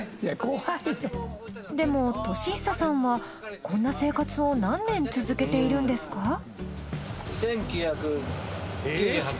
でも敏久さんはこんな生活を何年続けているんですか？